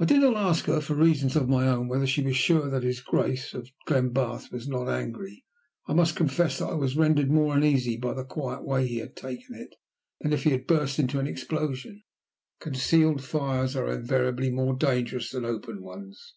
I did not ask her, for reasons of my own, whether she was sure that his Grace of Glenbarth was not angry. I must confess that I was rendered more uneasy by the quiet way he had taken it, than if he had burst into an explosion. Concealed fires are invariably more dangerous than open ones.